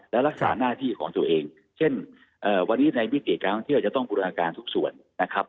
และรักษาหน้าที่ของตัวเองเช่นวันนี้ในวิกฤติการท่องเที่ยวจะต้องบูรณาการทุกส่วนนะครับ